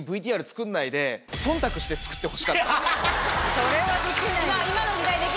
それはできないでしょ。